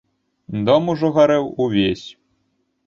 Дом ужо гарэў увесь.